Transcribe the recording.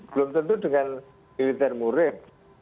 belum tentu dengan militer murid